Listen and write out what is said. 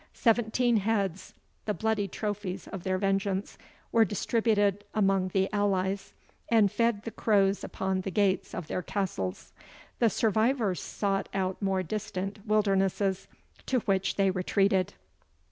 Seventeen heads, the bloody trophies of their vengeance, were distributed among the allies, and fed the crows upon the gates of their castles. The survivors sought out more distant wildernesses, to which they retreated."